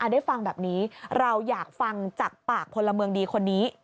ได้ฟังแบบนี้เราอยากฟังจากปากพลเมืองดีคนนี้